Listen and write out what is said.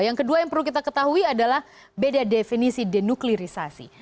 yang kedua yang perlu kita ketahui adalah beda definisi denuklirisasi